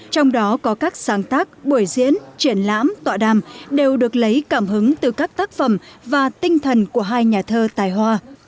trong đó có các sáng tác buổi diễn triển lãm tọa đàm đều được lấy cảm hứng từ các tác phẩm và tinh thần của hai nhà thơ tài hoa